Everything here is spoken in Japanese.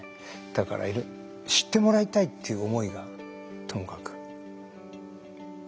だから知ってもらいたいっていう思いがともかく強いです。